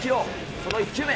その１球目。